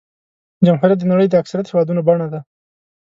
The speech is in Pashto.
جمهوریت د نړۍ د اکثریت هېوادونو بڼه ده.